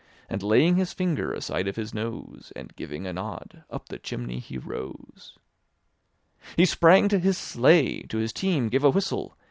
And laying his finger aside of his nose. And giving a nod, up the chimney he rose; He sprang to his sleigh, to his team gave a whistle.